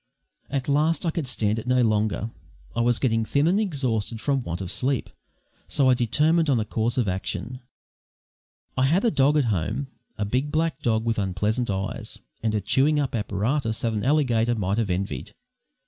At last I could stand it no longer. I was getting thin and exhausted from want of sleep, so I determined on a course of action. I had a dog at home, a big black dog with unpleasant eyes, and a chewing up apparatus that an alligator might have envied.